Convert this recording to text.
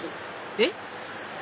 えっ？